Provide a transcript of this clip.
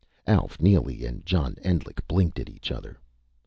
Alf Neely and John Endlich blinked at each other.